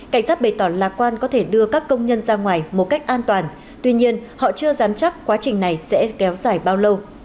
cảnh sát bày tỏ lạc quan có thể đưa các công nhân ra ngoài một cách an toàn tuy nhiên họ chưa dám chắc quá trình này sẽ kéo dài bao lâu